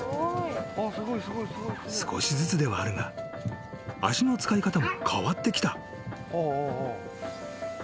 ［少しずつではあるが足の使い方も変わってきた］